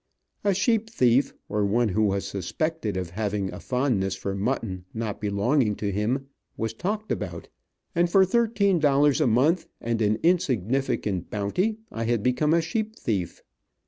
A sheep thief, or one who was suspected of having a fondness for mutton not belonging to him, was talked about. And for thirteen dollars a month, and an insignificant bounty, I had become a sheep thief.